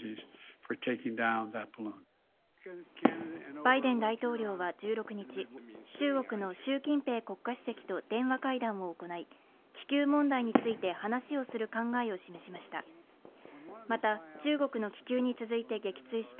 バイデン大統領は１６日、中国の習近平国家主席と電話会談を行い気球問題について話しをする考えを示しました。